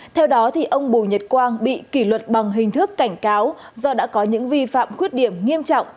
theo đó ông bùi nhật quang bị kỷ luật bằng hình thức cảnh cáo do đã có những vi phạm khuyết điểm nghiêm trọng